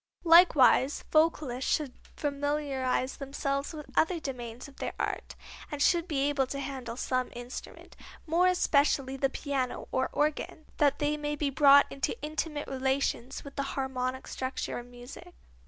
Likewise vocalists should familiarize themselves with other domains of their art, and should be able to handle some instrument, more especially the piano or organ, that they may be brought into intimate relations with the harmonic structure of music.